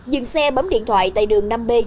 dừng xe bấm điện thoại tại đường năm b